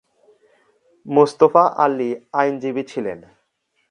মোস্তফা আলী আইনজীবী ছিলেন।